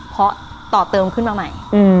เพราะต่อเติมขึ้นมาใหม่